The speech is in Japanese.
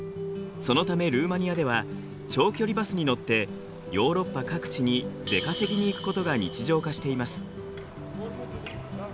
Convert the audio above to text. そのためルーマニアでは長距離バスに乗ってヨーロッパ各地に出稼ぎに行くことが日常化しています。